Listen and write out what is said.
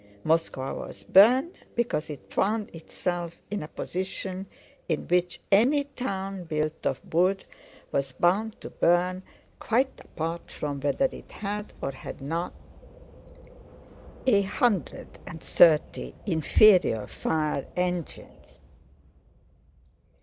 Moscow was burned because it found itself in a position in which any town built of wood was bound to burn, quite apart from whether it had, or had not, a hundred and thirty inferior fire engines.